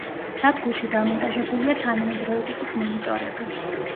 სადგურში დამონტაჟებულია თანამედროვე ტიპის მონიტორები.